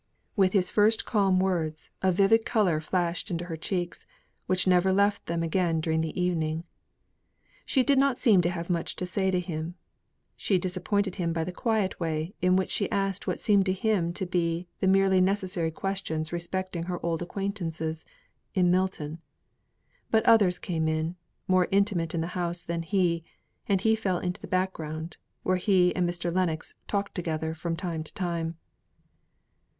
With his first calm words a vivid colour flashed into her cheeks, which never left them again during the evening. She did not seem to have much to say to him. She disappointed him by the quiet way in which she asked what seemed to him to be the merely necessary questions respecting her old acquaintances, in Milton; but others came in more intimate in the house than he and he fell into the background, where he and Mr. Lennox talked together from time to time.